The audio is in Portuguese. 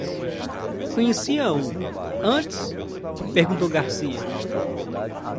Conhecia-o antes? perguntou Garcia.